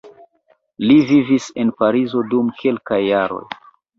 Li vivis en Parizo dum kelkaj jaroj.